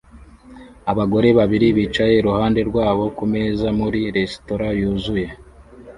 Abagore babiri bicaye iruhande rwabo kumeza muri resitora yuzuye